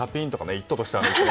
「イット！」としてはね。